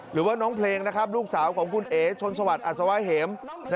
หรือว่าน้องเพลงลูกสาวของคุณเอ๋ชนศวรรรดิอัศวะเหม